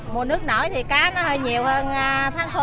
mùa nước nổi thì cá nó hơi nhiều hơn tháng thôi